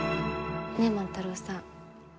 ねえ万太郎さん